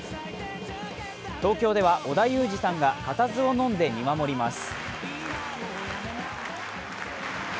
東京では織田裕二さんが固唾をのんで見守ります。